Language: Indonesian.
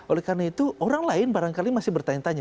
oleh karena itu orang lain barangkali masih bertanya tanya